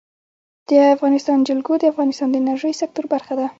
د افغانستان جلکو د افغانستان د انرژۍ سکتور برخه ده.